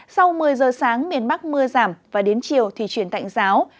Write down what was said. sau một mươi giờ sáng miền bắc mưa giảm và đến chiều thì chuyển tạnh giáo